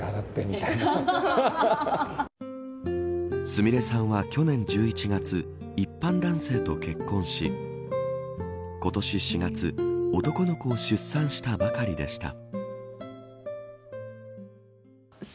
すみれさんは去年１１月一般男性と結婚し今年４月男の子を出産したばかりでした。